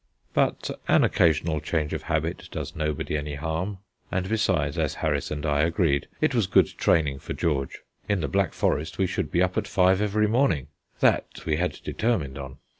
But an occasional change of habit does nobody any harm; and besides, as Harris and I agreed, it was good training for George. In the Black Forest we should be up at five every morning; that we had determined on.